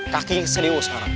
kaki serius sekarang